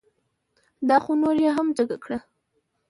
دا خو نوره یې هم جگه کړه.